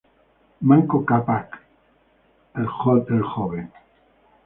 Manco Cápac, el Jr.